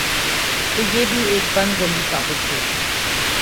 تو یہ بھی ایک بند گلی ثابت ہو گی۔